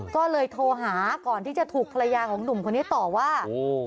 ก็เลยโทรหาก่อนที่จะถูกภรรยาของหนุ่มคนนี้ต่อว่า